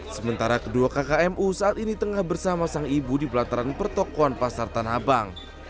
sementara kedua kakak mu saat ini tengah bersama sang ibu di pelataran pertokohan pasar tanahabang